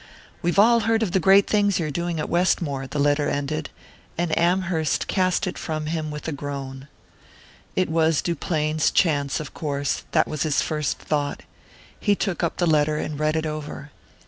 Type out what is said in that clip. "We've all heard of the great things you're doing at Westmore," the letter ended; and Amherst cast it from him with a groan.... It was Duplain's chance, of course...that was his first thought. He took up the letter and read it over.